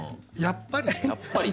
「やっぱり」？